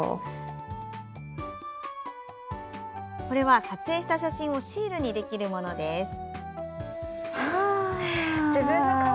これは撮影した写真をシールにできるものです。